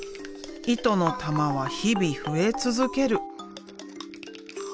糸の玉は日々増え続ける。